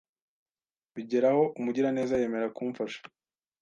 bigeraho umugiraneza yemera kumfasha